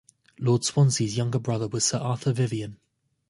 Lord Swansea's younger brother was Sir Arthur Vivian.